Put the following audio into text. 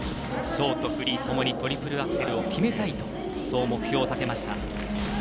ショート、フリーともにトリプルアクセルを決めたいと目標を立てました。